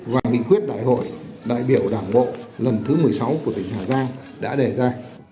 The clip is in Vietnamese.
và nghị quyết đại hội đại biểu đảng bộ lần thứ một mươi sáu của tỉnh hà giang đã đề ra